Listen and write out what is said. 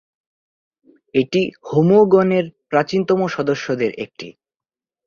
এটি হোমো গণের প্রাচীনতম সদস্যদের একটি।